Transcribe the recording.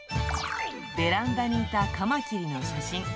ベランダにいたカマキリの写真。